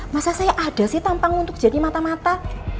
masa saya ada sih tampang untuk jadi mata mata